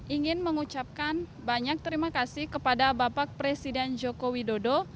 ingin mengucapkan banyak terima kasih kepada bapak presiden joko widodo